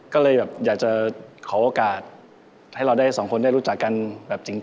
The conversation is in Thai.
ก็เลยแบบอยากจะขอโอกาสให้เราได้สองคนได้รู้จักกันแบบจริง